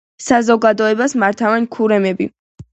საზოგადოებას მართავენ ქურუმები.